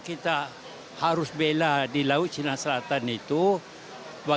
dan kita harus melakukan diplomasi yang lebih aktif dan harus bisa mengklarifikasi klaim tiongkok